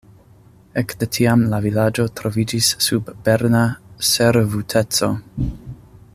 Ek de tiam la vilaĝo troviĝis sub berna servuteco.